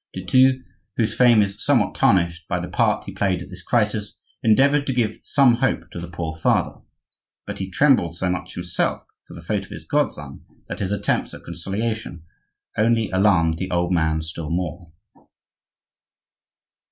De Thou, whose fame is somewhat tarnished by the part he played at this crisis, endeavored to give some hope to the poor father; but he trembled so much himself for the fate of his godson that his attempts at consolation only alarmed the old man still more.